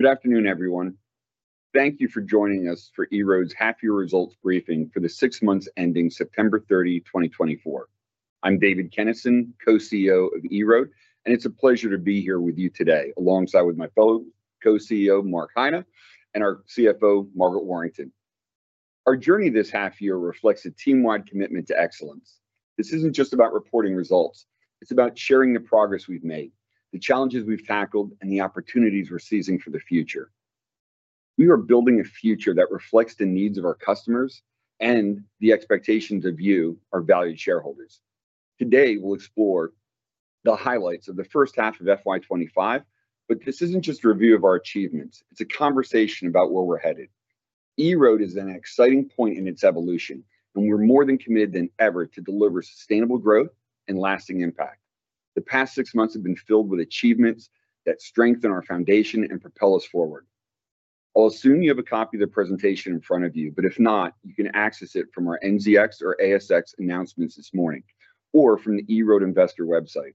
Good afternoon, everyone. Thank you for joining us for EROAD's half-year results briefing for the six months ending September 30, 2024. I'm David Kenneson, Co-CEO of EROAD, and it's a pleasure to be here with you today alongside my fellow Co-CEO, Mark Heine, and our CFO, Margaret Warrington. Our journey this half year reflects a team-wide commitment to excellence. This isn't just about reporting results. It's about sharing the progress we've made, the challenges we've tackled, and the opportunities we're seizing for the future. We are building a future that reflects the needs of our customers and the expectations of you, our valued shareholders. Today, we'll explore the highlights of the first half of FY 2025, but this isn't just a review of our achievements. It's a conversation about where we're headed. EROAD is at an exciting point in its evolution, and we're more than committed than ever to deliver sustainable growth and lasting impact. The past six months have been filled with achievements that strengthen our foundation and propel us forward. I'll assume you have a copy of the presentation in front of you, but if not, you can access it from our NZX or ASX announcements this morning or from the EROAD investor website.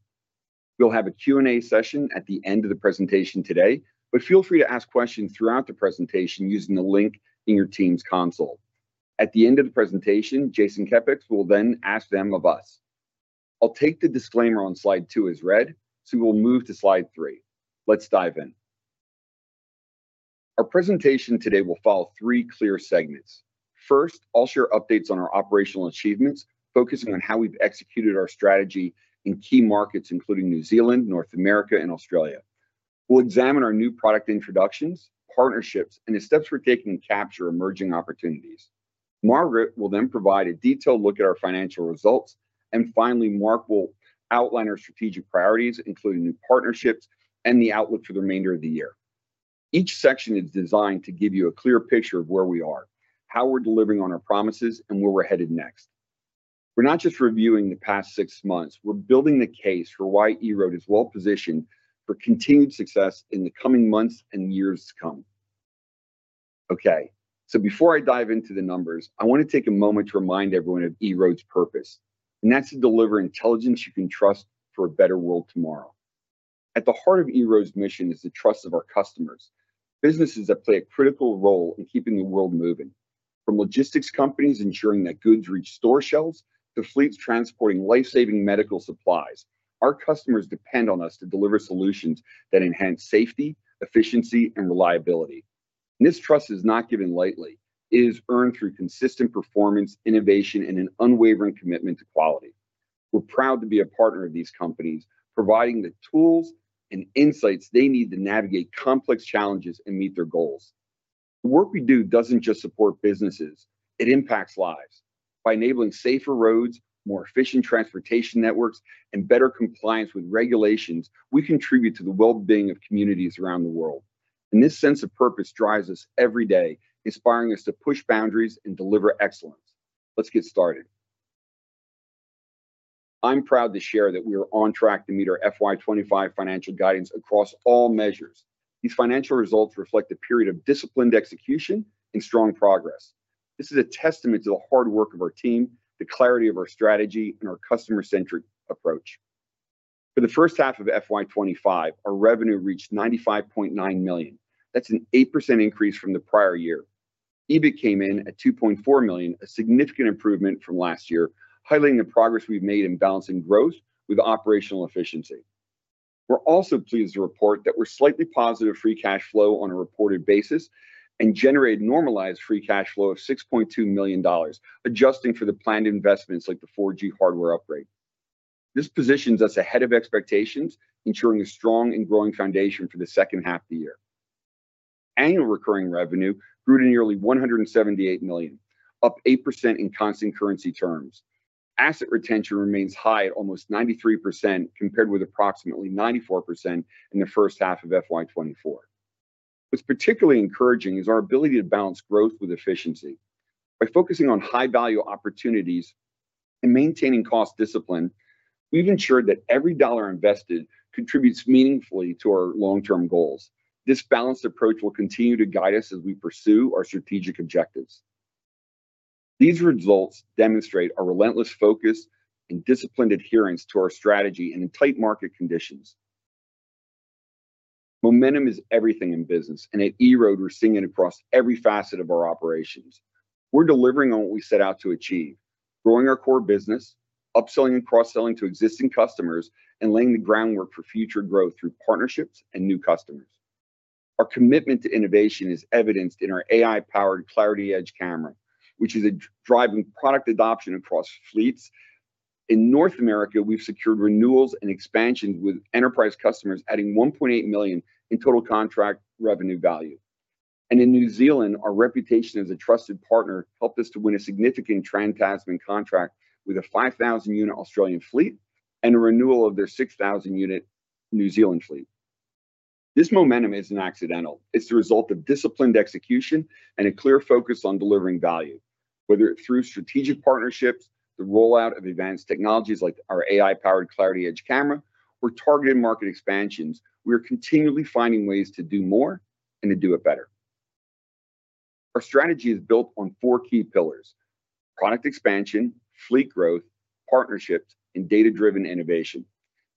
We'll have a Q&A session at the end of the presentation today, but feel free to ask questions throughout the presentation using the link in your Teams console. At the end of the presentation, Jason Kepecs will then ask them of us. I'll take the disclaimer on slide two as read, so we'll move to slide three. Let's dive in. Our presentation today will follow three clear segments. First, I'll share updates on our operational achievements, focusing on how we've executed our strategy in key markets including New Zealand, North America, and Australia. We'll examine our new product introductions, partnerships, and the steps we're taking to capture emerging opportunities. Margaret will then provide a detailed look at our financial results, and finally, Mark will outline our strategic priorities, including new partnerships and the outlook for the remainder of the year. Each section is designed to give you a clear picture of where we are, how we're delivering on our promises, and where we're headed next. We're not just reviewing the past six months. We're building the case for why EROAD is well-positioned for continued success in the coming months and years to come. Okay, so before I dive into the numbers, I want to take a moment to remind everyone of EROAD's purpose, and that's to deliver intelligence you can trust for a better world tomorrow. At the heart of EROAD's mission is the trust of our customers, businesses that play a critical role in keeping the world moving. From logistics companies ensuring that goods reach store shelves to fleets transporting lifesaving medical supplies, our customers depend on us to deliver solutions that enhance safety, efficiency, and reliability. This trust is not given lightly. It is earned through consistent performance, innovation, and an unwavering commitment to quality. We're proud to be a partner of these companies, providing the tools and insights they need to navigate complex challenges and meet their goals. The work we do doesn't just support businesses. It impacts lives. By enabling safer roads, more efficient transportation networks, and better compliance with regulations, we contribute to the well-being of communities around the world. And this sense of purpose drives us every day, inspiring us to push boundaries and deliver excellence. Let's get started. I'm proud to share that we are on track to meet our FY 2025 financial guidance across all measures. These financial results reflect a period of disciplined execution and strong progress. This is a testament to the hard work of our team, the clarity of our strategy, and our customer-centric approach. For the first half of FY 2025, our revenue reached 95.9 million. That's an 8% increase from the prior year. EBIT came in at 2.4 million, a significant improvement from last year, highlighting the progress we've made in balancing growth with operational efficiency. We're also pleased to report that we're slightly positive free cash flow on a reported basis and generated normalized free cash flow of 6.2 million dollars, adjusting for the planned investments like the 4G hardware upgrade. This positions us ahead of expectations, ensuring a strong and growing foundation for the second half of the year. Annual recurring revenue grew to nearly 178 million, up 8% in constant currency terms. Asset retention remains high at almost 93% compared with approximately 94% in the first half of FY 2024. What's particularly encouraging is our ability to balance growth with efficiency. By focusing on high-value opportunities and maintaining cost discipline, we've ensured that every dollar invested contributes meaningfully to our long-term goals. This balanced approach will continue to guide us as we pursue our strategic objectives. These results demonstrate our relentless focus and disciplined adherence to our strategy in tight market conditions. Momentum is everything in business, and at EROAD, we're seeing it across every facet of our operations. We're delivering on what we set out to achieve: growing our core business, upselling and cross-selling to existing customers, and laying the groundwork for future growth through partnerships and new customers. Our commitment to innovation is evidenced in our AI-powered Clarity Edge Camera, which is driving product adoption across fleets. In North America, we've secured renewals and expansions with enterprise customers, adding 1.8 million in total contract revenue value. And in New Zealand, our reputation as a trusted partner helped us to win a significant Trans-Tasman contract with a 5,000-unit Australian fleet and a renewal of their 6,000-unit New Zealand fleet. This momentum isn't accidental. It's the result of disciplined execution and a clear focus on delivering value, whether it's through strategic partnerships, the rollout of advanced technologies like our AI-powered Clarity Edge Camera, or targeted market expansions. We are continually finding ways to do more and to do it better. Our strategy is built on four key pillars: product expansion, fleet growth, partnerships, and data-driven innovation.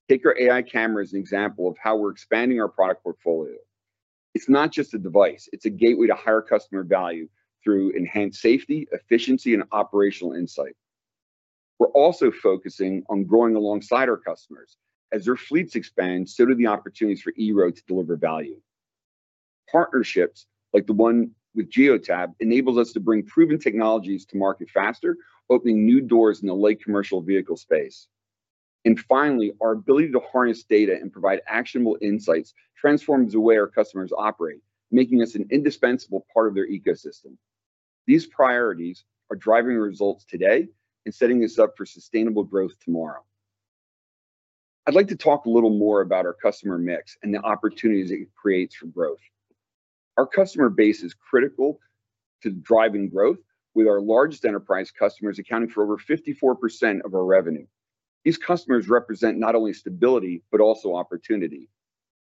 Take our AI camera as an example of how we're expanding our product portfolio. It's not just a device. It's a gateway to higher customer value through enhanced safety, efficiency, and operational insight. We're also focusing on growing alongside our customers. As their fleets expand, so do the opportunities for EROAD to deliver value. Partnerships, like the one with Geotab, enable us to bring proven technologies to market faster, opening new doors in the light commercial vehicle space. And finally, our ability to harness data and provide actionable insights transforms the way our customers operate, making us an indispensable part of their ecosystem. These priorities are driving results today and setting us up for sustainable growth tomorrow. I'd like to talk a little more about our customer mix and the opportunities it creates for growth. Our customer base is critical to driving growth, with our largest enterprise customers accounting for over 54% of our revenue. These customers represent not only stability but also opportunity.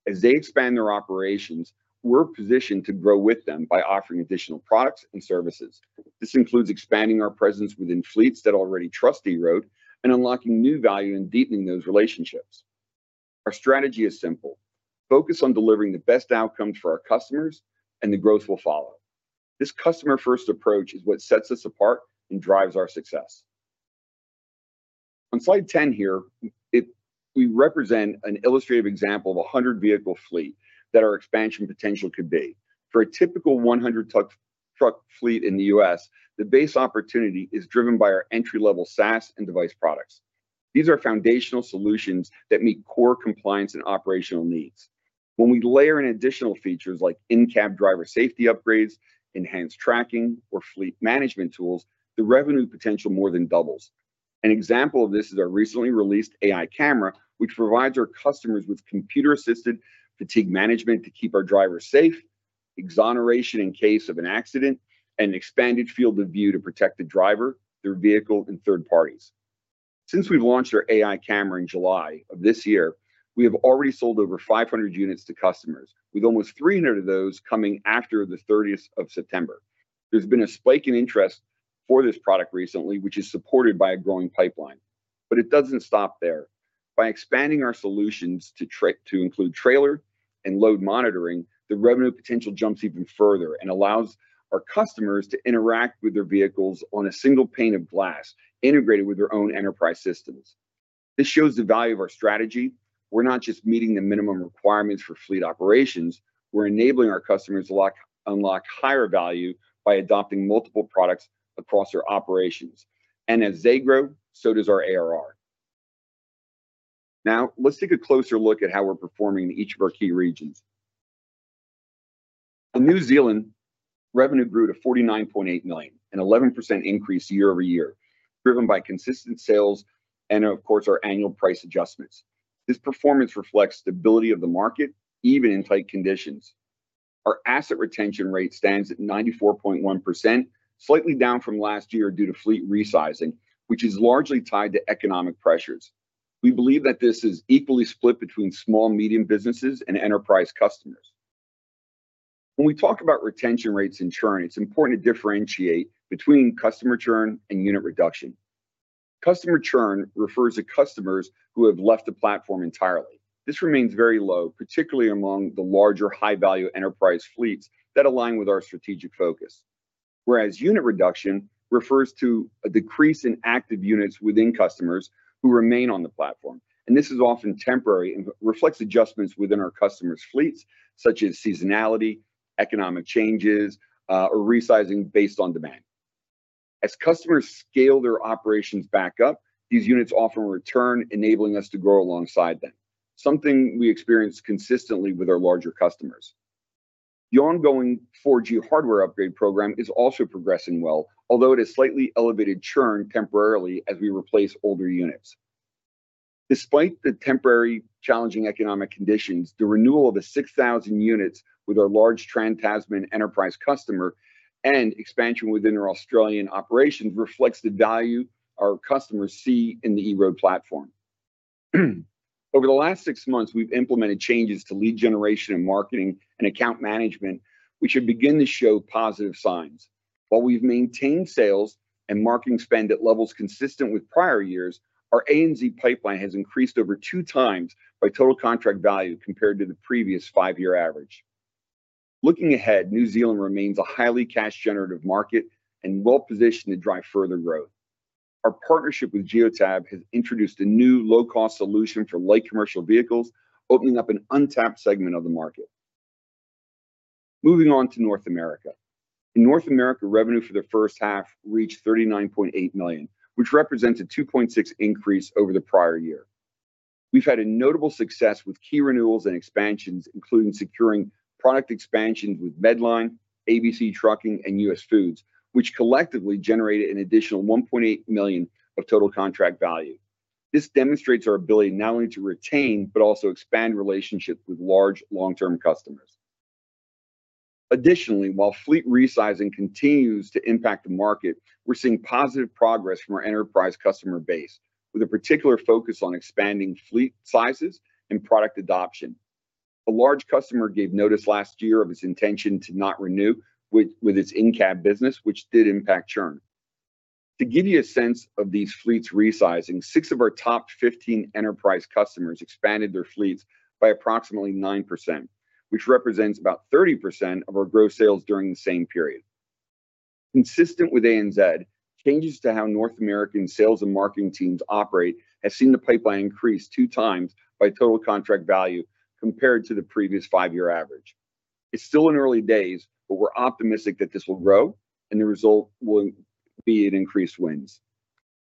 As they expand their operations, we're positioned to grow with them by offering additional products and services. This includes expanding our presence within fleets that already trust EROAD and unlocking new value and deepening those relationships. Our strategy is simple: focus on delivering the best outcomes for our customers, and the growth will follow. This customer-first approach is what sets us apart and drives our success. On slide 10 here, we represent an illustrative example of a 100-vehicle fleet that our expansion potential could be. For a typical 100-truck fleet in the U.S., the base opportunity is driven by our entry-level SaaS and device products. These are foundational solutions that meet core compliance and operational needs. When we layer in additional features like in-cab driver safety upgrades, enhanced tracking, or fleet management tools, the revenue potential more than doubles. An example of this is our recently released AI camera, which provides our customers with computer-assisted fatigue management to keep our drivers safe, exoneration in case of an accident, and an expanded field of view to protect the driver, their vehicle, and third parties. Since we've launched our AI camera in July of this year, we have already sold over 500 units to customers, with almost 300 of those coming after the 30th of September. There's been a spike in interest for this product recently, which is supported by a growing pipeline, but it doesn't stop there. By expanding our solutions to include trailer and load monitoring, the revenue potential jumps even further and allows our customers to interact with their vehicles on a single pane of glass, integrated with their own enterprise systems. This shows the value of our strategy. We're not just meeting the minimum requirements for fleet operations. We're enabling our customers to unlock higher value by adopting multiple products across our operations, and as they grow, so does our ARR. Now, let's take a closer look at how we're performing in each of our key regions. In New Zealand, revenue grew to 49.8 million, an 11% increase year-over-year, driven by consistent sales and, of course, our annual price adjustments. This performance reflects the ability of the market, even in tight conditions. Our asset retention rate stands at 94.1%, slightly down from last year due to fleet resizing, which is largely tied to economic pressures. We believe that this is equally split between small and medium businesses and enterprise customers. When we talk about retention rates and churn, it's important to differentiate between customer churn and unit reduction. Customer churn refers to customers who have left the platform entirely. This remains very low, particularly among the larger, high-value enterprise fleets that align with our strategic focus. Whereas unit reduction refers to a decrease in active units within customers who remain on the platform, and this is often temporary and reflects adjustments within our customers' fleets, such as seasonality, economic changes, or resizing based on demand. As customers scale their operations back up, these units often return, enabling us to grow alongside them, something we experience consistently with our larger customers. The ongoing 4G hardware upgrade program is also progressing well, although it has slightly elevated churn temporarily as we replace older units. Despite the temporary challenging economic conditions, the renewal of the 6,000 units with our large Trans-Tasman enterprise customer and expansion within our Australian operations reflects the value our customers see in the EROAD platform. Over the last six months, we've implemented changes to lead generation and marketing and account management, which have begun to show positive signs. While we've maintained sales and marketing spend at levels consistent with prior years, our ANZ pipeline has increased over 2x by total contract value compared to the previous five-year average. Looking ahead, New Zealand remains a highly cash-generative market and well-positioned to drive further growth. Our partnership with Geotab has introduced a new low-cost solution for light commercial vehicles, opening up an untapped segment of the market. Moving on to North America. In North America, revenue for the first half reached 39.8 million, which represents a 2.6% increase over the prior year. We've had a notable success with key renewals and expansions, including securing product expansions with Medline, ABC Trucking, and US Foods, which collectively generated an additional 1.8 million of total contract value. This demonstrates our ability not only to retain but also expand relationships with large, long-term customers. Additionally, while fleet resizing continues to impact the market, we're seeing positive progress from our enterprise customer base, with a particular focus on expanding fleet sizes and product adoption. A large customer gave notice last year of its intention to not renew with its in-cab business, which did impact churn. To give you a sense of these fleets resizing, six of our top 15 enterprise customers expanded their fleets by approximately 9%, which represents about 30% of our gross sales during the same period. Consistent with ANZ, changes to how North American sales and marketing teams operate have seen the pipeline increase two times by total contract value compared to the previous five-year average. It's still in early days, but we're optimistic that this will grow, and the result will be an increase in wins.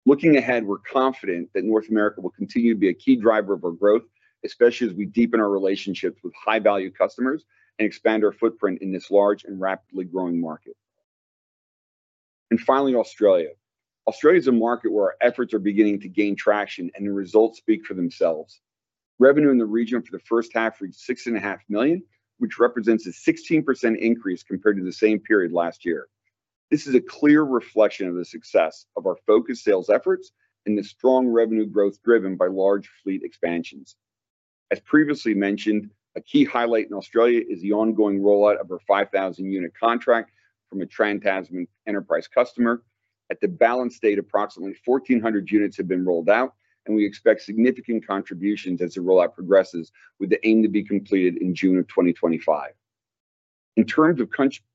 Looking ahead, we're confident that North America will continue to be a key driver of our growth, especially as we deepen our relationships with high-value customers and expand our footprint in this large and rapidly growing market. Finally, Australia. Australia is a market where our efforts are beginning to gain traction, and the results speak for themselves. Revenue in the region for the first half reached 6.5 million, which represents a 16% increase compared to the same period last year. This is a clear reflection of the success of our focused sales efforts and the strong revenue growth driven by large fleet expansions. As previously mentioned, a key highlight in Australia is the ongoing rollout of our 5,000-unit contract from a Trans-Tasman enterprise customer. At the balance date, approximately 1,400 units have been rolled out, and we expect significant contributions as the rollout progresses, with the aim to be completed in June of 2025. In terms of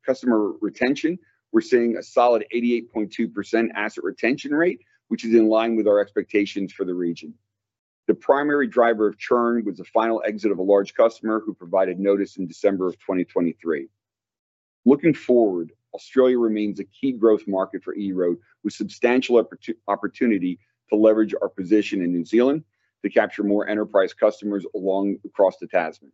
customer retention, we're seeing a solid 88.2% asset retention rate, which is in line with our expectations for the region. The primary driver of churn was the final exit of a large customer who provided notice in December of 2023. Looking forward, Australia remains a key growth market for EROAD, with substantial opportunity to leverage our position in New Zealand to capture more enterprise customers across the Tasman.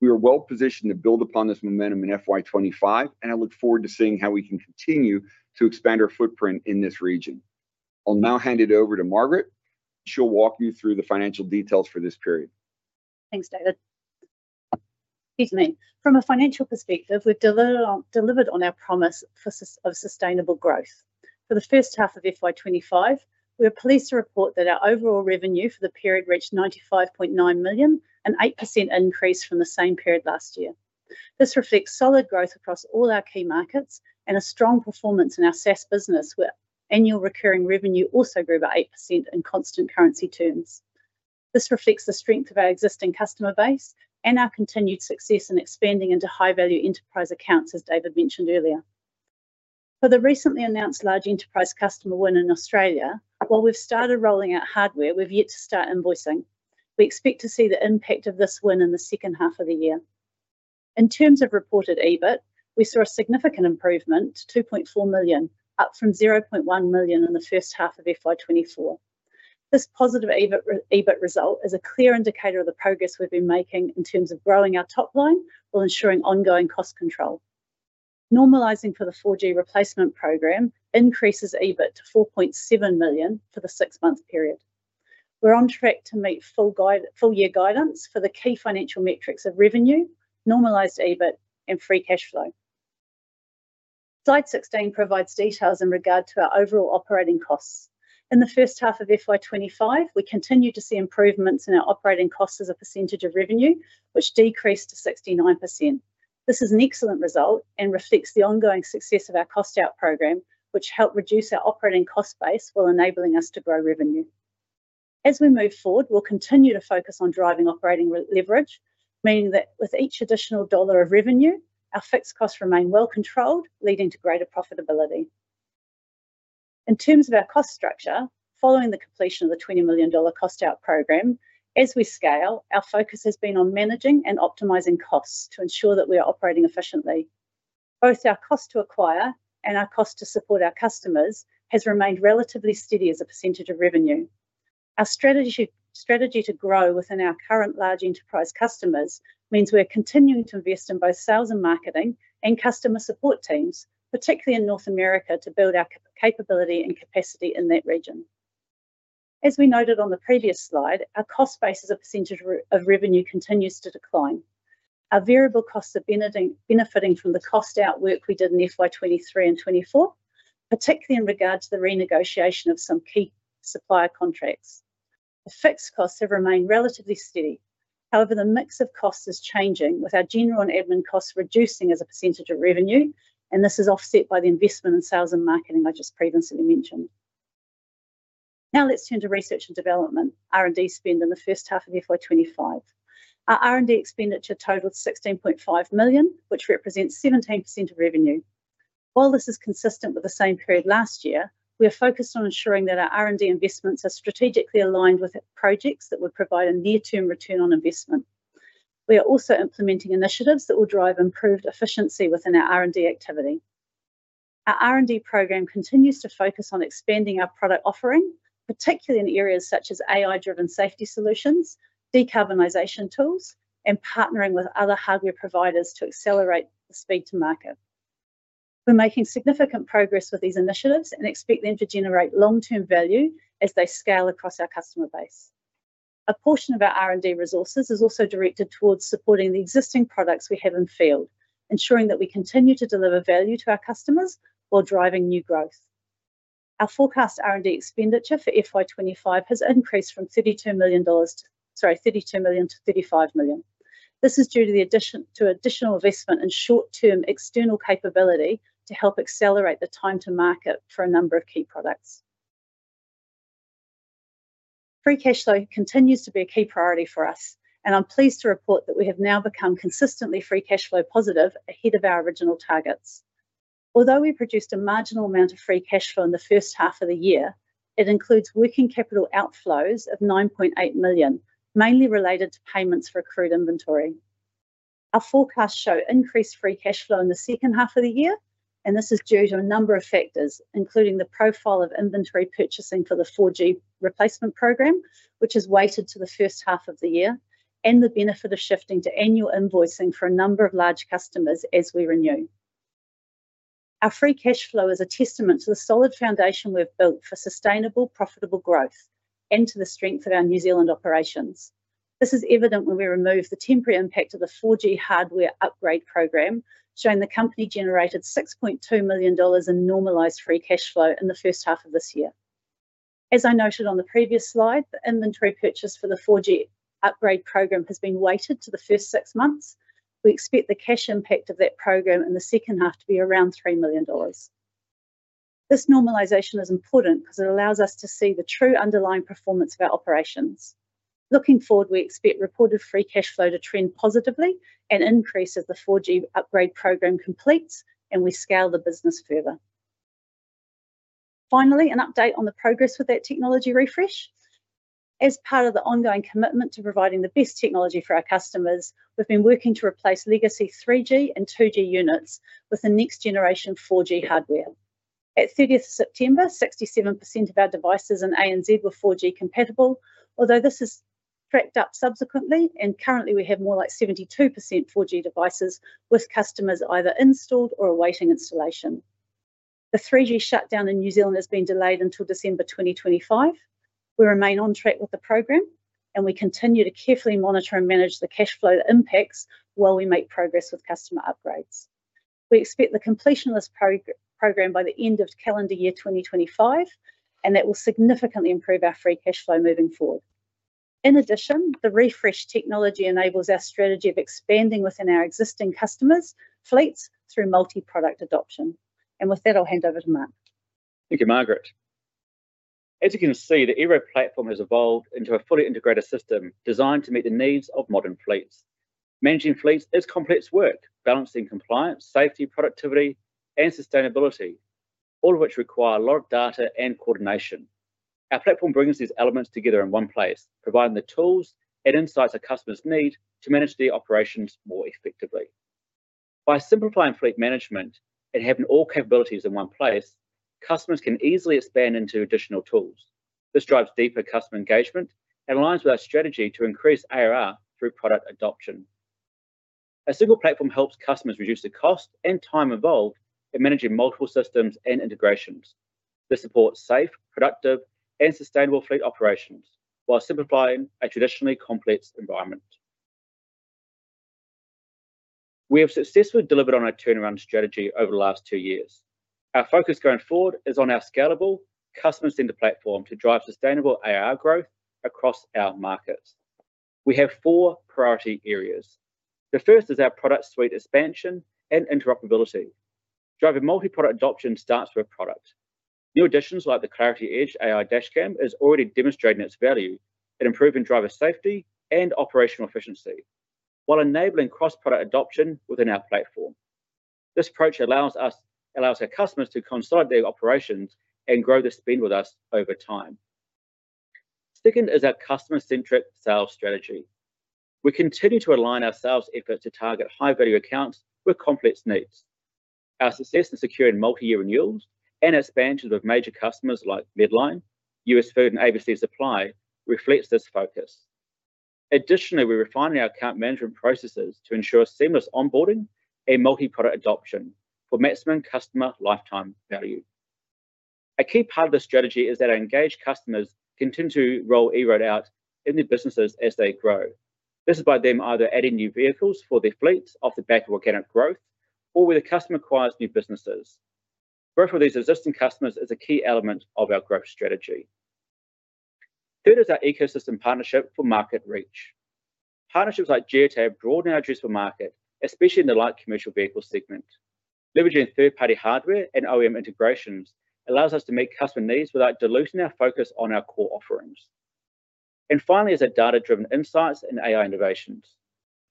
We are well-positioned to build upon this momentum in FY 2025, and I look forward to seeing how we can continue to expand our footprint in this region. I'll now hand it over to Margaret. She'll walk you through the financial details for this period. Thanks, David. Excuse me. From a financial perspective, we've delivered on our promise of sustainable growth. For the first half of FY 2025, we are pleased to report that our overall revenue for the period reached 95.9 million, an 8% increase from the same period last year. This reflects solid growth across all our key markets and a strong performance in our SaaS business, where annual recurring revenue also grew by 8% in constant currency terms. This reflects the strength of our existing customer base and our continued success in expanding into high-value enterprise accounts, as David mentioned earlier. For the recently announced large enterprise customer win in Australia, while we've started rolling out hardware, we've yet to start invoicing. We expect to see the impact of this win in the second half of the year. In terms of reported EBIT, we saw a significant improvement to 2.4 million, up from 0.1 million in the first half of FY 2024. This positive EBIT result is a clear indicator of the progress we've been making in terms of growing our top line while ensuring ongoing cost control. Normalizing for the 4G replacement program increases EBIT to 4.7 million for the six-month period. We're on track to meet full-year guidance for the key financial metrics of revenue, normalized EBIT, and free cash flow. Slide 16 provides details in regard to our overall operating costs. In the first half of FY 2025, we continue to see improvements in our operating costs as a percentage of revenue, which decreased to 69%. This is an excellent result and reflects the ongoing success of our cost-out program, which helped reduce our operating cost base while enabling us to grow revenue. As we move forward, we'll continue to focus on driving operating leverage, meaning that with each additional dollar of revenue, our fixed costs remain well-controlled, leading to greater profitability. In terms of our cost structure, following the completion of the 20 million dollar cost-out program, as we scale, our focus has been on managing and optimizing costs to ensure that we are operating efficiently. Both our cost to acquire and our cost to support our customers has remained relatively steady as a percentage of revenue. Our strategy to grow within our current large enterprise customers means we are continuing to invest in both sales and marketing and customer support teams, particularly in North America, to build our capability and capacity in that region. As we noted on the previous slide, our cost base as a percentage of revenue continues to decline. Our variable costs are benefiting from the cost-out work we did in FY 2023 and 2024, particularly in regard to the renegotiation of some key supplier contracts. The fixed costs have remained relatively steady. However, the mix of costs is changing, with our general and admin costs reducing as a percentage of revenue, and this is offset by the investment in sales and marketing I just previously mentioned. Now let's turn to research and development, R&D spend in the first half of FY 2025. Our R&D expenditure totaled 16.5 million, which represents 17% of revenue. While this is consistent with the same period last year, we are focused on ensuring that our R&D investments are strategically aligned with projects that will provide a near-term return on investment. We are also implementing initiatives that will drive improved efficiency within our R&D activity. Our R&D program continues to focus on expanding our product offering, particularly in areas such as AI-driven safety solutions, decarbonization tools, and partnering with other hardware providers to accelerate the speed to market. We're making significant progress with these initiatives and expect them to generate long-term value as they scale across our customer base. A portion of our R&D resources is also directed towards supporting the existing products we have in the field, ensuring that we continue to deliver value to our customers while driving new growth. Our forecast R&D expenditure for FY 2025 has increased from 32 million-35 million dollars. This is due to the addition of additional investment in short-term external capability to help accelerate the time to market for a number of key products. Free cash flow continues to be a key priority for us, and I'm pleased to report that we have now become consistently free cash flow positive ahead of our original targets. Although we produced a marginal amount of free cash flow in the first half of the year, it includes working capital outflows of 9.8 million, mainly related to payments for accrued inventory. Our forecasts show increased free cash flow in the second half of the year, and this is due to a number of factors, including the profile of inventory purchasing for the 4G replacement program, which has weighted to the first half of the year, and the benefit of shifting to annual invoicing for a number of large customers as we renew. Our free cash flow is a testament to the solid foundation we have built for sustainable, profitable growth and to the strength of our New Zealand operations. This is evident when we remove the temporary impact of the 4G hardware upgrade program, showing the company generated 6.2 million dollars in normalized free cash flow in the first half of this year. As I noted on the previous slide, the inventory purchase for the 4G upgrade program has been weighted to the first six months. We expect the cash impact of that program in the second half to be around 3 million dollars. This normalization is important because it allows us to see the true underlying performance of our operations. Looking forward, we expect reported free cash flow to trend positively and increase as the 4G upgrade program completes and we scale the business further. Finally, an update on the progress with that technology refresh. As part of the ongoing commitment to providing the best technology for our customers, we've been working to replace legacy 3G and 2G units with the next-generation 4G hardware. At 30 September, 67% of our devices in ANZ were 4G compatible, although this has tracked up subsequently, and currently we have more like 72% 4G devices with customers either installed or awaiting installation. The 3G shutdown in New Zealand has been delayed until December 2025. We remain on track with the program, and we continue to carefully monitor and manage the cash flow impacts while we make progress with customer upgrades. We expect the completion of this program by the end of calendar year 2025, and that will significantly improve our free cash flow moving forward. In addition, the refresh technology enables our strategy of expanding within our existing customers' fleets through multi-product adoption. And with that, I'll hand over to Mark. Thank you, Margaret. As you can see, the EROAD platform has evolved into a fully integrated system designed to meet the needs of modern fleets. Managing fleets is complex work, balancing compliance, safety, productivity, and sustainability, all of which require a lot of data and coordination. Our platform brings these elements together in one place, providing the tools and insights our customers need to manage their operations more effectively. By simplifying fleet management and having all capabilities in one place, customers can easily expand into additional tools. This drives deeper customer engagement and aligns with our strategy to increase ARR through product adoption. A single platform helps customers reduce the cost and time involved in managing multiple systems and integrations. This supports safe, productive, and sustainable fleet operations while simplifying a traditionally complex environment. We have successfully delivered on our turnaround strategy over the last two years. Our focus going forward is on our scalable customer-centered platform to drive sustainable ARR growth across our markets. We have four priority areas. The first is our product suite expansion and interoperability. Driving multi-product adoption starts with a product. New additions like the Clarity Edge AI dashcam are already demonstrating its value in improving driver safety and operational efficiency while enabling cross-product adoption within our platform. This approach allows our customers to consolidate their operations and grow their spend with us over time. Second is our customer-centric sales strategy. We continue to align our sales efforts to target high-value accounts with complex needs. Our success in securing multi-year renewals and expansions with major customers like Medline, US Foods, and ABC Supply reflects this focus. Additionally, we're refining our account management processes to ensure seamless onboarding and multi-product adoption for maximum customer lifetime value. A key part of this strategy is that our engaged customers continue to roll EROAD out in their businesses as they grow. This is by them either adding new vehicles for their fleets off the back of organic growth or when the customer acquires new businesses. Growth for these existing customers is a key element of our growth strategy. Third is our ecosystem partnership for market reach. Partnerships like Geotab broaden our reach for market, especially in the light commercial vehicle segment. Leveraging third-party hardware and OEM integrations allows us to meet customer needs without diluting our focus on our core offerings. Finally, there's our data-driven insights and AI innovations.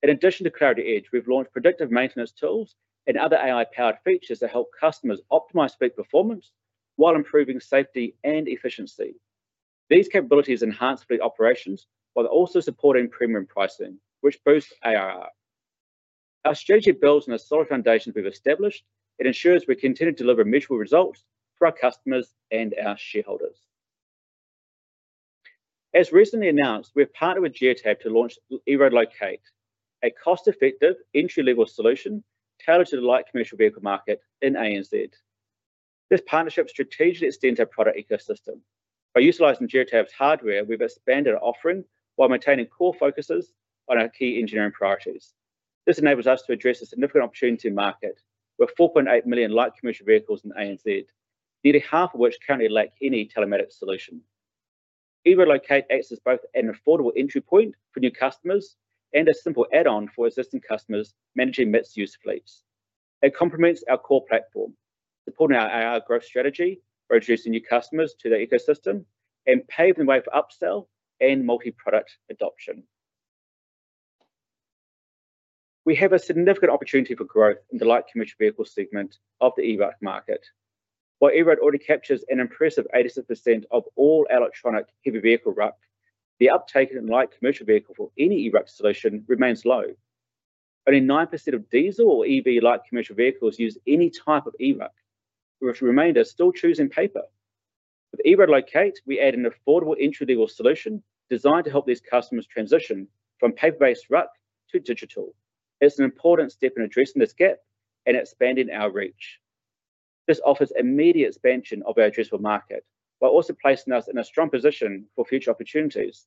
In addition to Clarity Edge, we've launched predictive maintenance tools and other AI-powered features that help customers optimize fleet performance while improving safety and efficiency. These capabilities enhance fleet operations while also supporting premium pricing, which boosts ARR. Our strategy builds on a solid foundation we've established. It ensures we continue to deliver mutual results for our customers and our shareholders. As recently announced, we've partnered with Geotab to launch EROAD Locate, a cost-effective entry-level solution tailored to the light commercial vehicle market in ANZ. This partnership strategically extends our product ecosystem. By utilizing Geotab's hardware, we've expanded our offering while maintaining core focuses on our key engineering priorities. This enables us to address a significant opportunity in market with 4.8 million light commercial vehicles in ANZ, nearly half of which currently lack any telematics solution. EROAD Locate acts as both an affordable entry point for new customers and a simple add-on for existing customers managing mixed-use fleets. It complements our core platform, supporting our ARR growth strategy, introducing new customers to the ecosystem, and paving the way for upsell and multi-product adoption. We have a significant opportunity for growth in the light commercial vehicle segment of the EROAD market. While EROAD already captures an impressive 86% of all electronic heavy vehicle RUC, the uptake in light commercial vehicle for any EROAD solution remains low. Only 9% of diesel or EV light commercial vehicles use any type of EROAD, with the remainder still choosing paper. With EROAD Locate, we add an affordable entry-level solution designed to help these customers transition from paper-based RUC to digital. It's an important step in addressing this gap and expanding our reach. This offers immediate expansion of our addressable market while also placing us in a strong position for future opportunities.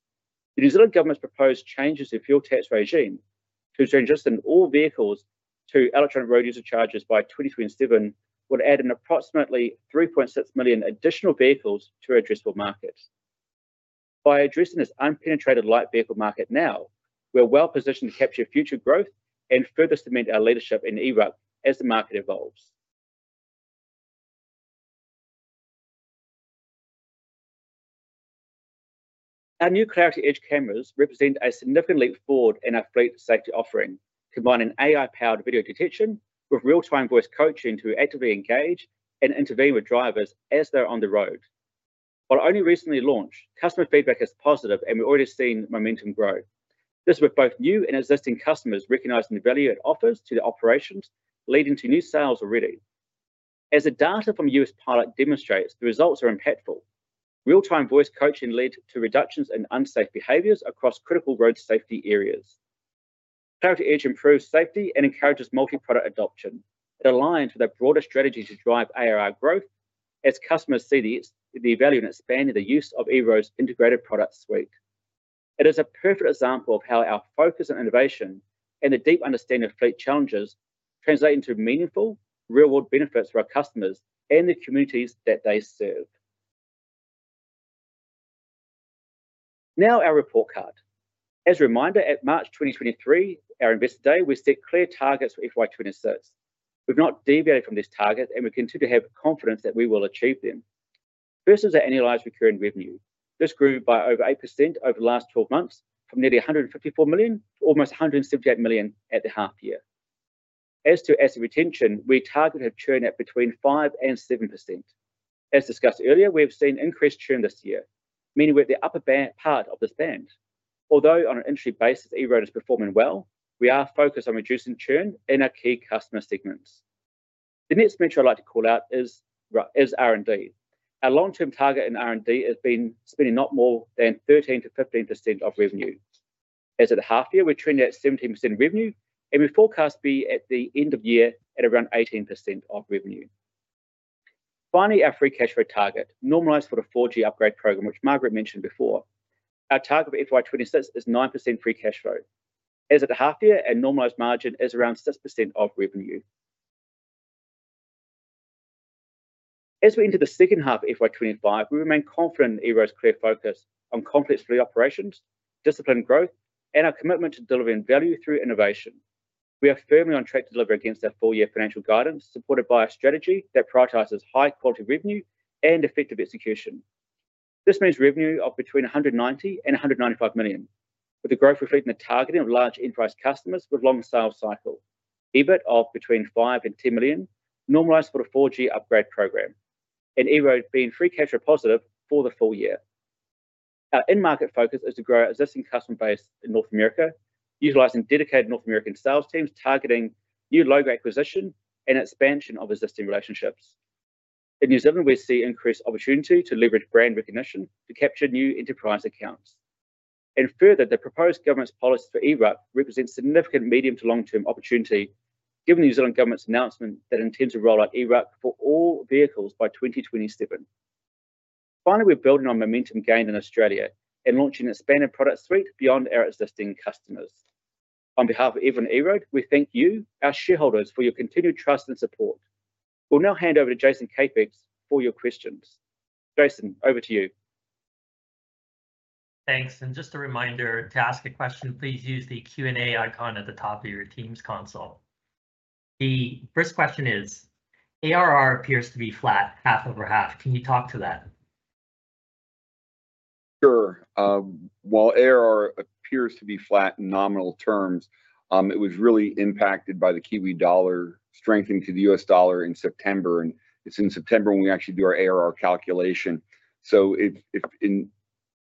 The New Zealand government's proposed changes to the fuel tax regime, which is reducing all vehicles to electronic road user charges by 2027, would add an approximately 3.6 million additional vehicles to our addressable market. By addressing this unpenetrated light vehicle market now, we're well positioned to capture future growth and further cement our leadership in EROAD as the market evolves. Our new Clarity Edge cameras represent a significant leap forward in our fleet safety offering, combining AI-powered video detection with real-time voice coaching to actively engage and intervene with drivers as they're on the road. While only recently launched, customer feedback is positive, and we've already seen momentum grow. This is with both new and existing customers recognizing the value it offers to their operations, leading to new sales already. As the data from U.S. pilot demonstrates, the results are impactful. Real-time voice coaching led to reductions in unsafe behaviors across critical road safety areas. Clarity Edge improves safety and encourages multi-product adoption. It aligns with our broader strategy to drive ARR growth as customers see the value in expanding the use of EROAD's integrated product suite. It is a perfect example of how our focus on innovation and the deep understanding of fleet challenges translate into meaningful real-world benefits for our customers and the communities that they serve. Now our report card. As a reminder, at March 2023, our Investor Day, we set clear targets for FY 2026. We've not deviated from these targets, and we continue to have confidence that we will achieve them. First is our annualized recurring revenue. This grew by over 8% over the last 12 months from nearly 154 million to almost 178 million at the half year. As to asset retention, we target a churn at between 5% and 7%. As discussed earlier, we've seen increased churn this year, meaning we're at the upper part of this band. Although on an entry basis, EROAD is performing well, we are focused on reducing churn in our key customer segments. The next metric I'd like to call out is R&D. Our long-term target in R&D has been spending not more than 13%-15% of revenue. As of the half year, we're trending at 17% revenue, and we forecast to be at the end of the year at around 18% of revenue. Finally, our free cash flow target, normalized for the 4G upgrade program, which Margaret mentioned before. Our target for FY 2026 is 9% free cash flow. As of the half year, our normalized margin is around 6% of revenue. As we enter the second half of FY 2025, we remain confident in EROAD's clear focus on complex fleet operations, disciplined growth, and our commitment to delivering value through innovation. We are firmly on track to deliver against our full-year financial guidance, supported by a strategy that prioritizes high-quality revenue and effective execution. This means revenue of between 190 million and 195 million, with the growth reflecting the targeting of large enterprise customers with long sales cycle, EBIT of between 5 million and 10 million, normalized for the 4G upgrade program, and EROAD being free cash flow positive for the full year. Our in-market focus is to grow existing customer base in North America, utilizing dedicated North American sales teams targeting new logo acquisition and expansion of existing relationships. In New Zealand, we see increased opportunity to leverage brand recognition to capture new enterprise accounts, and further, the proposed government's policy for EROAD represents significant medium to long-term opportunity, given the New Zealand government's announcement that it intends to roll out EROAD for all vehicles by 2027. Finally, we're building on momentum gained in Australia and launching an expanded product suite beyond our existing customers. On behalf of EROAD, we thank you, our shareholders, for your continued trust and support. We'll now hand over to Jason Kepecs for your questions. Jason, over to you. Thanks. And just a reminder, to ask a question, please use the Q&A icon at the top of your Teams console. The first question is, ARR appears to be flat, half over half. Can you talk to that? Sure. While ARR appears to be flat in nominal terms, it was really impacted by the Kiwi dollar strengthening to the U.S. dollar in September, and it's in September when we actually do our ARR calculation, so if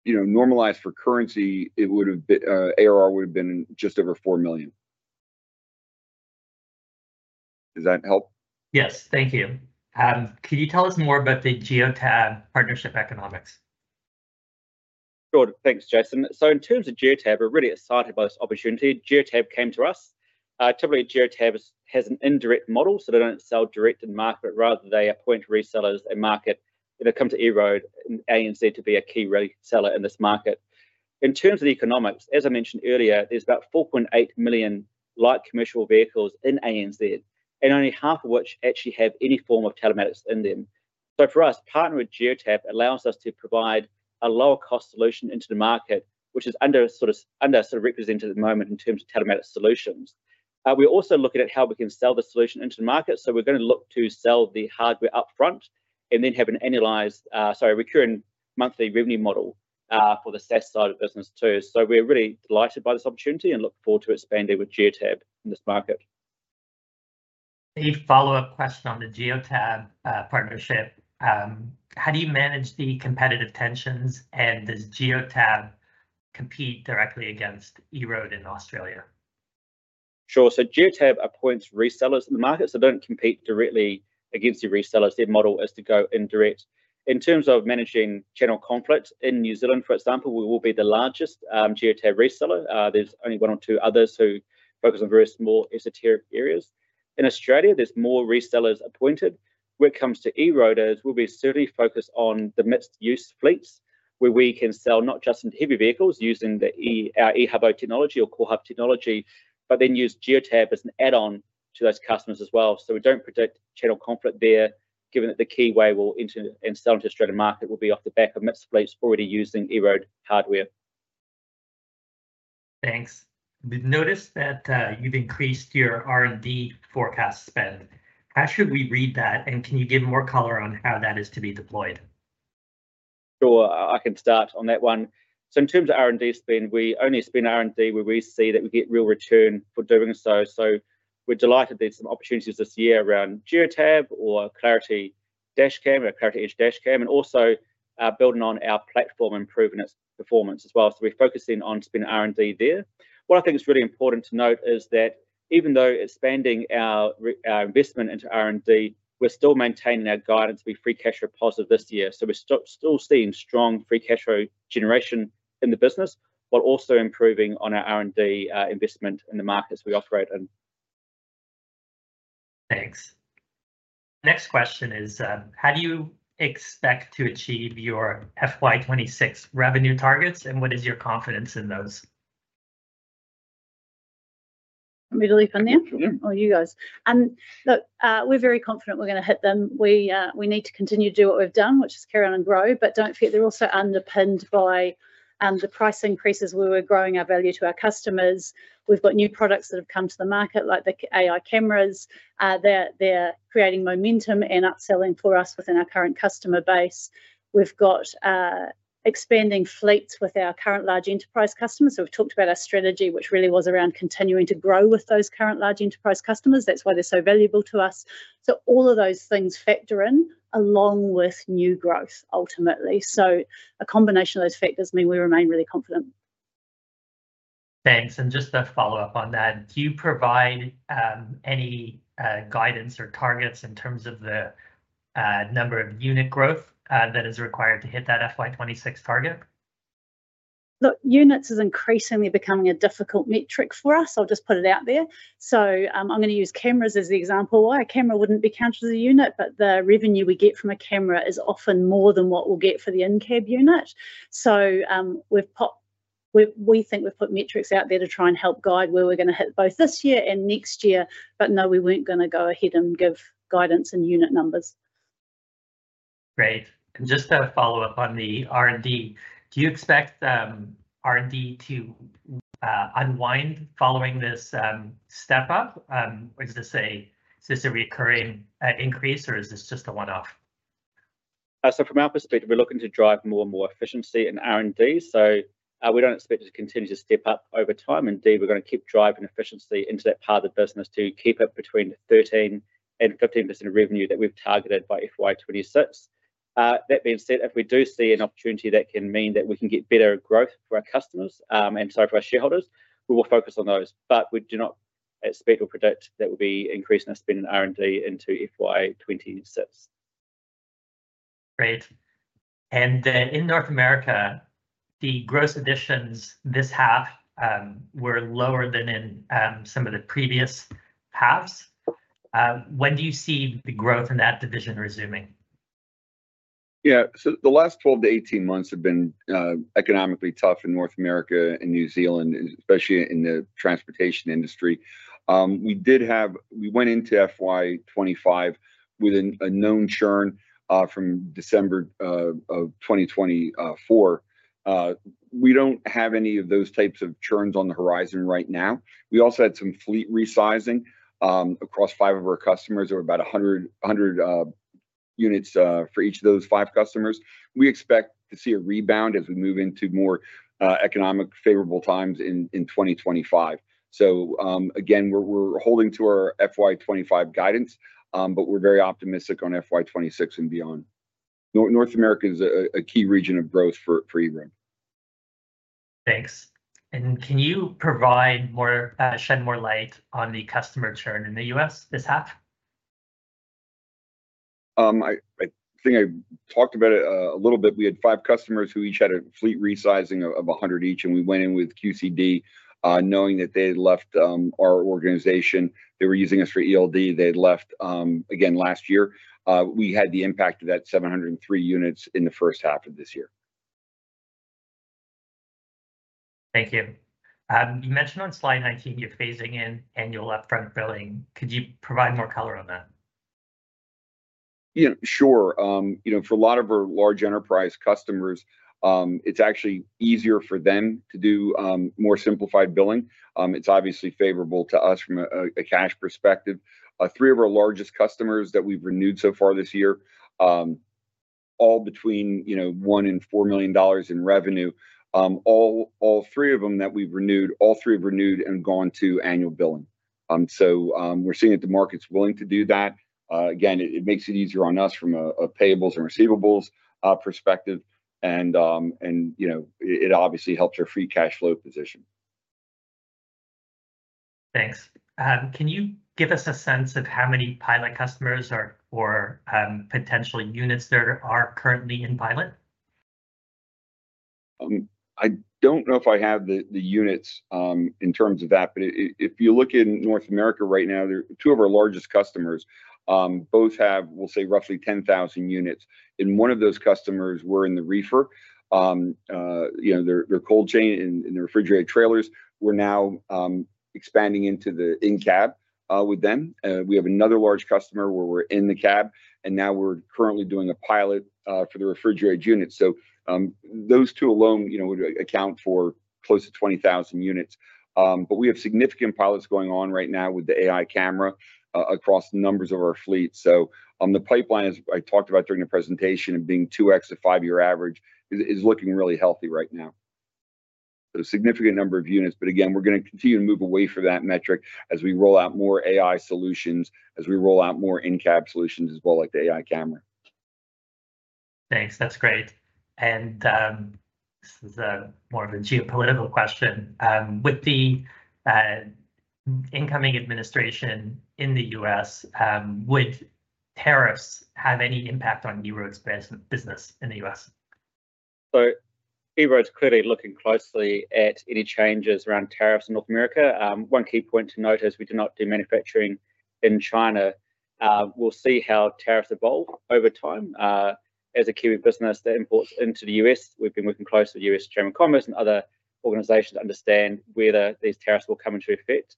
normalized for currency, ARR would have been just over four million. Does that help? Yes, thank you. Can you tell us more about the Geotab partnership economics? Sure. Thanks, Jason, so in terms of Geotab, we're really excited by this opportunity. Geotab came to us. Typically, Geotab has an indirect model, so they don't sell direct to the market. Rather, they appoint resellers and market, and it comes to EROAD and ANZ to be a key reseller in this market. In terms of the economics, as I mentioned earlier, there's about 4.8 million light commercial vehicles in ANZ, and only half of which actually have any form of telematics in them. So for us, partnering with Geotab allows us to provide a lower-cost solution into the market, which is under sort of represented at the moment in terms of telematics solutions. We're also looking at how we can sell the solution into the market. So we're going to look to sell the hardware upfront and then have an annualized, sorry, recurring monthly revenue model for the SaaS side of the business too. So we're really delighted by this opportunity and look forward to expanding with Geotab in this market. A follow-up question on the Geotab partnership. How do you manage the competitive tensions? And does Geotab compete directly against EROAD in Australia? Sure. So Geotab appoints resellers in the market. So they don't compete directly against the resellers. Their model is to go indirect. In terms of managing channel conflicts in New Zealand, for example, we will be the largest Geotab reseller. There's only one or two others who focus on very small esoteric areas. In Australia, there's more resellers appointed. When it comes to EROAD, we'll be certainly focused on the mixed-use fleets where we can sell not just into heavy vehicles using our Ehubo technology or CoreHub technology, but then use Geotab as an add-on to those customers as well. So we don't predict channel conflict there, given that the Kiwi will enter and sell into the Australian market will be off the back of mixed fleets already using EROAD hardware. Thanks. We've noticed that you've increased your R&D forecast spend. How should we read that? And can you give more color on how that is to be deployed? Sure. I can start on that one. So in terms of R&D spend, we only spend R&D where we see that we get real return for doing so. So we're delighted there's some opportunities this year around Geotab or Clarity dashcam or Clarity Edge dashcam, and also building on our platform and improving its performance as well. So we're focusing on spending R&D there. What I think is really important to note is that even though it's expanding our investment into R&D, we're still maintaining our guidance to be free cash flow positive this year. So we're still seeing strong free cash flow generation in the business while also improving on our R&D investment in the markets we operate in. Thanks. Next question is, how do you expect to achieve your FY 2026 revenue targets? And what is your confidence in those? I'm reading from there. Oh, you guys. Look, we're very confident we're going to hit them. We need to continue to do what we've done, which is carry on and grow, but don't forget they're also underpinned by the price increases. We were growing our value to our customers. We've got new products that have come to the market, like the AI cameras. They're creating momentum and upselling for us within our current customer base. We've got expanding fleets with our current large enterprise customers. So we've talked about our strategy, which really was around continuing to grow with those current large enterprise customers. That's why they're so valuable to us. So all of those things factor in along with new growth, ultimately. So a combination of those factors means we remain really confident. Thanks. And just to follow up on that, do you provide any guidance or targets in terms of the number of unit growth that is required to hit that FY 2026 target? Look, units is increasingly becoming a difficult metric for us. I'll just put it out there. So I'm going to use cameras as the example. Why? A camera wouldn't be counted as a unit, but the revenue we get from a camera is often more than what we'll get for the in-cab unit. So we think we've put metrics out there to try and help guide where we're going to hit both this year and next year, but no, we weren't going to go ahead and give guidance and unit numbers. Great. And just to follow up on the R&D, do you expect R&D to unwind following this step up? Is this a recurring increase, or is this just a one-off? So from our perspective, we're looking to drive more and more efficiency in R&D. So we don't expect it to continue to step up over time. Indeed, we're going to keep driving efficiency into that part of the business to keep it between 13% and 15% revenue that we've targeted by FY 2026. That being said, if we do see an opportunity, that can mean that we can get better growth for our customers and sorry, for our shareholders, we will focus on those. But we do not expect or predict that we'll be increasing our spend in R&D into FY 2026. Great. And in North America, the gross additions this half were lower than in some of the previous halves. When do you see the growth in that division resuming? Yeah. So the last 12 months-18 months have been economically tough in North America and New Zealand, especially in the transportation industry. We went into FY 2025 with a known churn from December of 2024. We don't have any of those types of churns on the horizon right now. We also had some fleet resizing across five of our customers. There were about 100 units for each of those five customers. We expect to see a rebound as we move into more economically favorable times in 2025. So again, we're holding to our FY 2025 guidance, but we're very optimistic on FY 2026 and beyond. North America is a key region of growth for EROAD. Thanks. And can you shed more light on the customer churn in the U.S. this half? I think I talked about it a little bit. We had five customers who each had a fleet resizing of 100 each, and we went in with QCD knowing that they had left our organization. They were using us for ELD. They had left, again, last year. We had the impact of that 703 units in the first half of this year. Thank you. You mentioned on slide 19, you're phasing in annual upfront billing. Could you provide more color on that? Sure. For a lot of our large enterprise customers, it's actually easier for them to do more simplified billing. It's obviously favorable to us from a cash perspective. Three of our largest customers that we've renewed so far this year, all between 1 million and 4 million dollars in revenue, all three of them that we've renewed, all three have renewed and gone to annual billing. So we're seeing that the market's willing to do that. Again, it makes it easier on us from a payables and receivables perspective, and it obviously helps our free cash flow position. Thanks. Can you give us a sense of how many pilot customers or potential units there are currently in pilot? I don't know if I have the units in terms of that, but if you look in North America right now, two of our largest customers both have, we'll say, roughly 10,000 units, and one of those customers we're in the reefer, their cold chain and the refrigerated trailers. We're now expanding into the in-cab with them. We have another large customer where we're in the cab, and now we're currently doing a pilot for the refrigerated unit, so those two alone would account for close to 20,000 units, but we have significant pilots going on right now with the AI camera across numbers of our fleet, so the pipeline, as I talked about during the presentation, of being 2x the five-year average is looking really healthy right now. There's a significant number of units. But again, we're going to continue to move away from that metric as we roll out more AI solutions, as we roll out more in-cab solutions as well, like the AI camera. Thanks. That's great. And this is more of a geopolitical question. With the incoming administration in the U.S., would tariffs have any impact on EROAD's business in the U.S.? So EROAD's clearly looking closely at any changes around tariffs in North America. One key point to note is we do not do manufacturing in China. We'll see how tariffs evolve over time. As a Kiwi business that imports into the U.S., we've been working closely with U.S. Chamber of Commerce and other organizations to understand whether these tariffs will come into effect.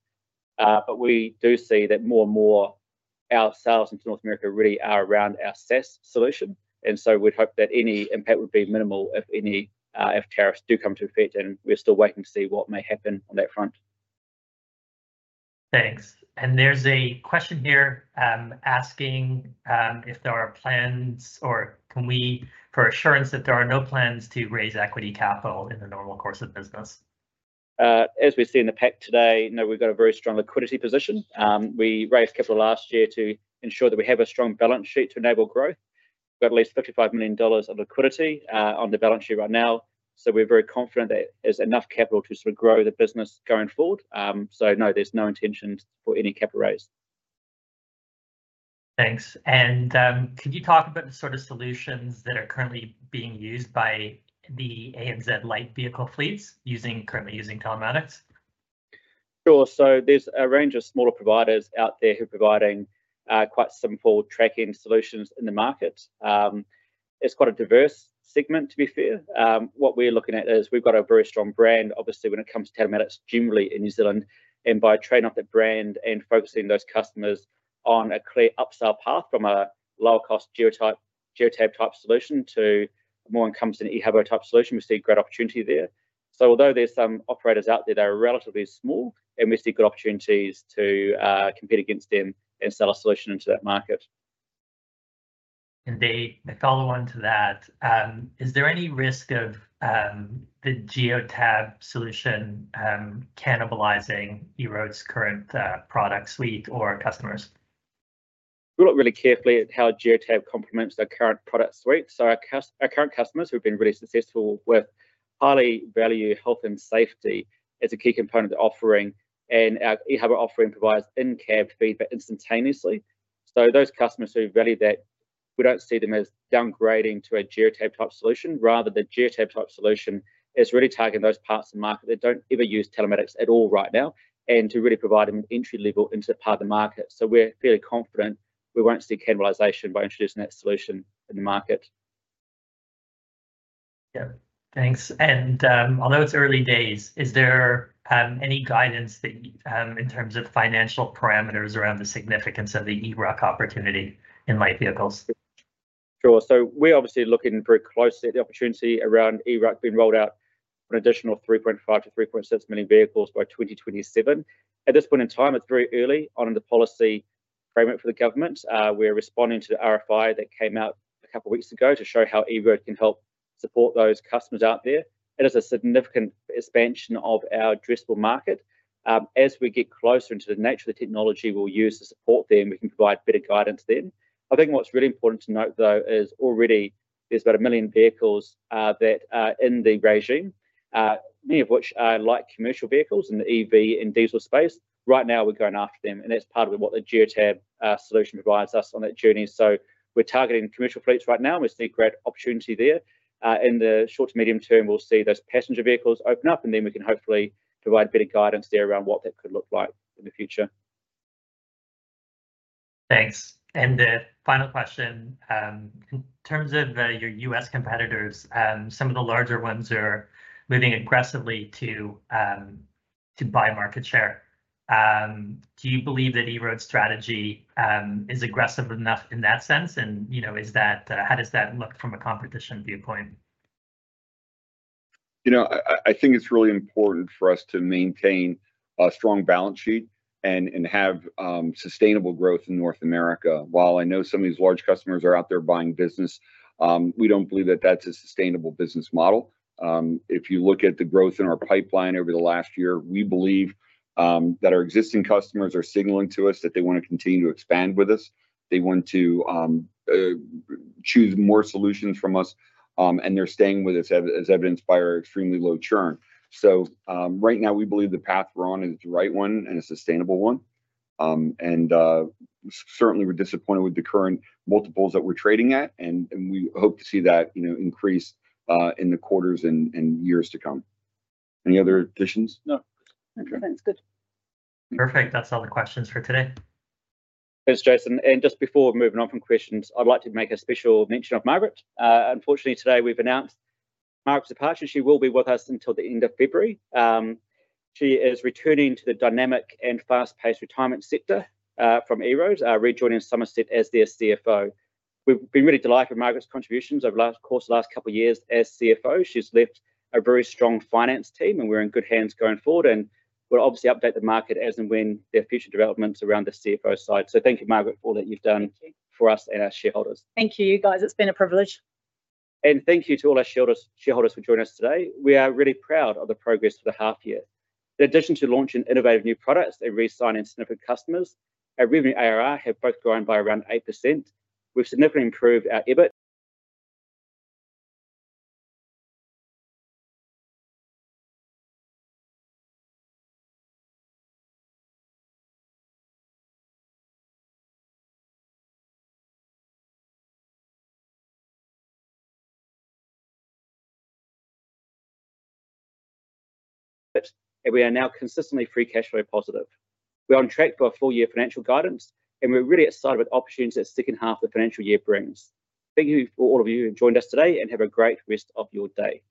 But we do see that more and more our sales into North America really are around our SaaS solution. And so we'd hope that any impact would be minimal if tariffs do come into effect. And we're still waiting to see what may happen on that front. Thanks. And there's a question here asking if there are plans or can we for assurance that there are no plans to raise equity capital in the normal course of business. As we see in the pack today, we've got a very strong liquidity position. We raised capital last year to ensure that we have a strong balance sheet to enable growth. We've got at least 55 million dollars of liquidity on the balance sheet right now. So we're very confident that there's enough capital to sort of grow the business going forward. So no, there's no intention for any capital raise. Thanks. Could you talk about the sort of solutions that are currently being used by the ANZ light vehicle fleets currently using telematics? Sure. So there's a range of smaller providers out there who are providing quite simple tracking solutions in the market. It's quite a diverse segment, to be fair. What we're looking at is we've got a very strong brand, obviously, when it comes to telematics generally in New Zealand. And by training up that brand and focusing those customers on a clear upsell path from a lower-cost Geotab type solution to a more encompassing Ehubo type solution, we see a great opportunity there. So although there's some operators out there that are relatively small, we see good opportunities to compete against them and sell a solution into that market. The follow-on to that is, is there any risk of the Geotab solution cannibalizing EROAD's current product suite or customers? We look really carefully at how Geotab complements their current product suite. Our current customers who have been really successful highly value health and safety as a key component of the offering, and our Ehubo offering provides in-cab feedback instantaneously. Those customers who value that, we don't see them as downgrading to a Geotab type solution. Rather, the Geotab type solution is really targeting those parts of the market that don't ever use telematics at all right now and to really provide them entry-level into part of the market. We're fairly confident we won't see cannibalization by introducing that solution in the market. Yeah. Thanks. And although it's early days, is there any guidance in terms of financial parameters around the significance of the eRUC opportunity in light vehicles? Sure. So we're obviously looking very closely at the opportunity around eRUC being rolled out for an additional 3.5 million-3.6 million vehicles by 2027. At this point in time, it's very early on in the policy framework for the government. We're responding to the RFI that came out a couple of weeks ago to show how EROAD can help support those customers out there. It is a significant expansion of our addressable market. As we get closer into the nature of the technology we'll use to support them, we can provide better guidance then. I think what's really important to note, though, is already there's about a million vehicles that are in the regime, many of which are light commercial vehicles in the EV and diesel space. Right now, we're going after them, and that's part of what the Geotab solution provides us on that journey. So we're targeting commercial fleets right now, and we see a great opportunity there. In the short to medium term, we'll see those passenger vehicles open up, and then we can hopefully provide better guidance there around what that could look like in the future. Thanks. And the final question, in terms of your U.S. competitors, some of the larger ones are moving aggressively to buy market share. Do you believe that EROAD's strategy is aggressive enough in that sense? And how does that look from a competition viewpoint? I think it's really important for us to maintain a strong balance sheet and have sustainable growth in North America. While I know some of these large customers are out there buying business, we don't believe that that's a sustainable business model. If you look at the growth in our pipeline over the last year, we believe that our existing customers are signaling to us that they want to continue to expand with us. They want to choose more solutions from us, and they're staying with us, as evidenced by our extremely low churn. So right now, we believe the path we're on is the right one and a sustainable one. And certainly, we're disappointed with the current multiples that we're trading at, and we hope to see that increase in the quarters and years to come. Any other additions? No. Okay. That's good. Perfect. That's all the questions for today. Thanks, Jason, and just before we're moving on from questions, I'd like to make a special mention of Margaret. Unfortunately, today we've announced Margaret's departure. She will be with us until the end of February. She is returning to the dynamic and fast-paced retirement sector from EROAD, rejoining Summerset as their CFO. We've been really delighted with Margaret's contributions over the course of the last couple of years as CFO. She's left a very strong finance team, and we're in good hands going forward, and we'll obviously update the market as and when there are future developments around the CFO side, so thank you, Margaret, for all that you've done for us and our shareholders. Thank you. You guys, it's been a privilege. And thank you to all our shareholders for joining us today. We are really proud of the progress for the half year. In addition to launching innovative new products and re-signing significant customers, our revenue ARR have both grown by around 8%. We've significantly improved our EBIT. We are now consistently free cash flow positive. We're on track for a full year financial guidance, and we're really excited with opportunities that the second half of the financial year brings. Thank you for all of you who joined us today, and have a great rest of your day.